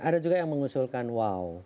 ada juga yang mengusulkan wow